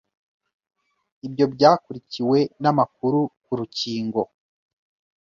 Ibyo byakurikiwe n'amakuru ku rukingo